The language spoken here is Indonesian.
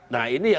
nah ini yang